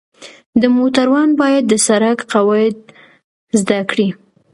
د موټروان باید د سړک قواعد زده کړي.